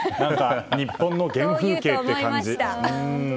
日本の原風景って感じで。